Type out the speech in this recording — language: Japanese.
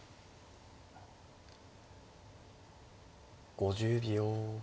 ５０秒。